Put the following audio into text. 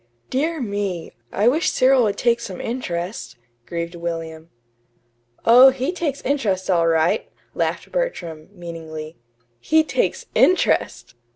"Dear me! I wish Cyril would take some interest," grieved William. "Oh, he takes interest all right," laughed Bertram, meaningly. "He takes INTEREST!"